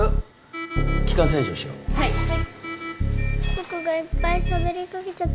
僕がいっぱいしゃべりかけちゃったから。